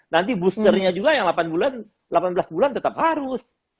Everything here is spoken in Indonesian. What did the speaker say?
nanti boosternya juga yang delapan belas bulan tetap harus